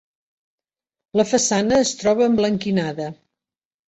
La façana es troba emblanquinada.